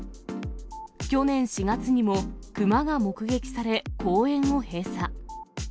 去年４月にもクマが目撃され、公園を閉鎖。